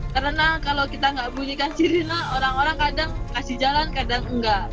karena kalau kita nggak bunyikan sirine orang orang kadang kasih jalan kadang nggak